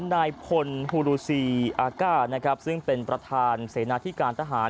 นายพลฮูรูซีอาก้านะครับซึ่งเป็นประธานเสนาที่การทหาร